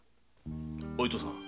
お糸さん